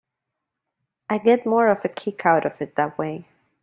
I get more of a kick out of it that way.